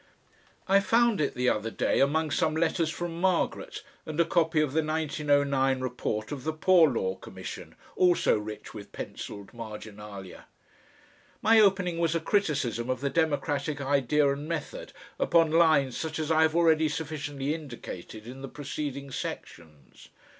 I found it the other day among some letters from Margaret and a copy of the 1909 Report of the Poor Law Commission, also rich with pencilled marginalia. My opening was a criticism of the democratic idea and method, upon lines such as I have already sufficiently indicated in the preceding sections.